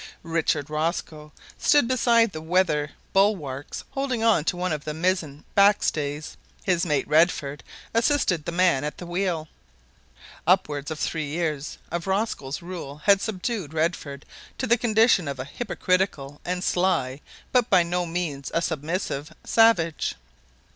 Richard Rosco stood beside the weather bulwarks holding on to one of the mizzen back stays. His mate Redford assisted the man at the wheel. Upwards of three years of Rosco's rule had subdued Redford to the condition of a hypocritical and sly, but by no means a submissive, savage.